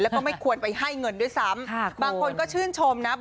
แล้วก็ไม่ควรไปให้เงินด้วยซ้ำบางคนก็ชื่นชมนะ